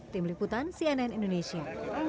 tim liputan cnn indonesia